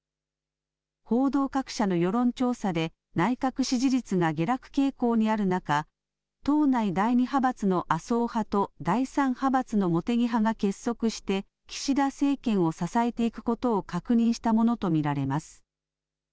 報道各社の世論調査で内閣支持率が下落傾向にある中、党内第２派閥の麻生派と第３派閥の茂木派が結束して、岸田政権を支えていくことを確認したものと見られます。